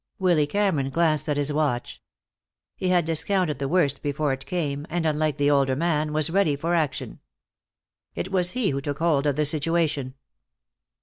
Willy Cameron glanced at his watch. He had discounted the worst before it came, and unlike the older man, was ready for action. It was he who took hold of the situation.